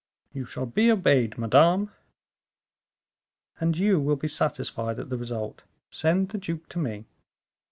"You shall be obeyed, madame." "And you will be satisfied at the result. Send the duke to me."